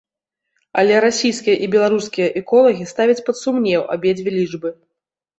Але расійскія і беларускія эколагі ставяць пад сумнеў абедзве лічбы.